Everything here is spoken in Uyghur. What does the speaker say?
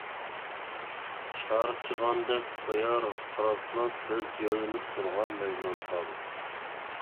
چارچىغاندەك قويار قاراسلاپ، بىز يۆلىنىپ تۇرغان مەجنۇنتال.